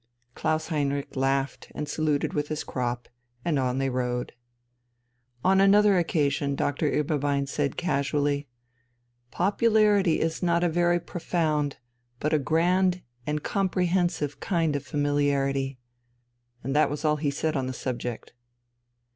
Klaus Heinrich laughed and saluted with his crop, and on they rode. On another occasion Doctor Ueberbein said casually: "Popularity is a not very profound, but a grand and comprehensive kind of familiarity." And that was all he said on the subject.